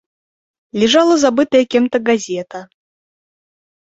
Лежала забытая кем-то газета.